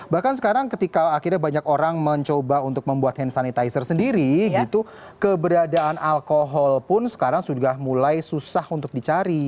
bahkan sekarang ketika akhirnya banyak orang mencoba untuk membuat hand sanitizer sendiri gitu keberadaan alkohol pun sekarang sudah mulai susah untuk dicari